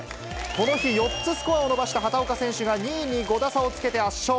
この日、４つスコアを伸ばした畑岡選手が２位に５打差をつけて圧勝。